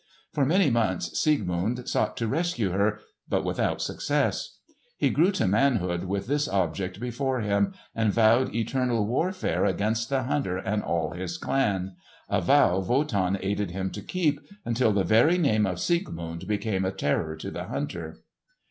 For many months Siegmund sought to rescue her, but without success. He grew to manhood with this object before him, and vowed eternal warfare against the hunter and all his clan,—a vow Wotan aided him to keep, until the very name of Siegmund became a terror to the hunter.